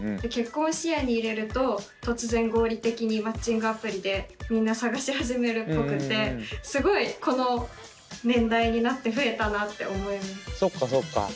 結婚視野に入れると突然合理的にマッチングアプリでみんな探し始めるっぽくてすごいこの年代になって増えたなって思います。